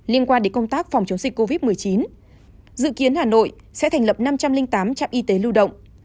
liên quan đến công tác phòng chống dịch covid một mươi chín dự kiến hà nội sẽ thành lập năm trăm linh tám trạm y tế lưu động